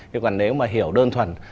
nhưng mà nếu mà hiểu đơn thuần